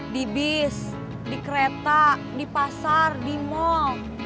di bis di kereta di pasar di mal